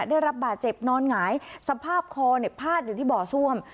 ได้รับบาดเจ็บนอนหงายสภาพคอเนี่ยพาดอยู่ที่บ่อซ่วม